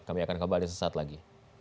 kami akan kembali sesaat lagi